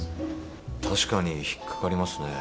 確かに引っ掛かりますね。